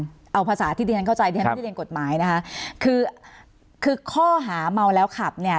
อาจารย์เอาภาษาที่เรียนเข้าใจที่เรียนกฎหมายนะคะคือคือข้อหาเมาแล้วขับเนี่ย